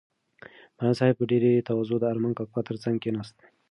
معلم صاحب په ډېرې تواضع د ارمان کاکا تر څنګ کېناست.